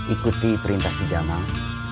ikuti perintah si jamal